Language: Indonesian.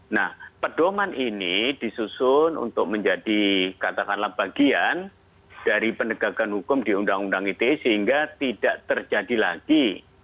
nah pedoman ini disusun untuk menjadi katakanlah bagian dari penegakan hukum di undang undang ite sehingga tidak terjadi lagi